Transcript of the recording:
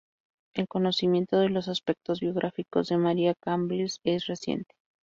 El conocimiento de los aspectos biográficos de María Cambrils es reciente.